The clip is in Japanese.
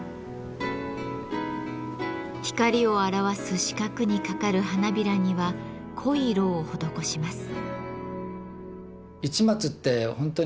光を表す四角にかかる花びらには濃い色を施します。